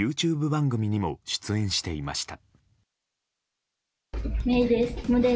ＹｏｕＴｕｂｅ番組にも出演していました。